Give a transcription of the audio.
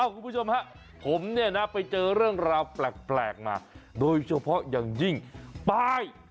คุณผู้ชมฮะผมเนี่ยนะไปเจอเรื่องราวแปลกมาโดยเฉพาะอย่างยิ่งป้าย